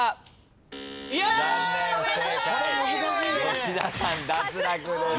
吉田さん脱落です。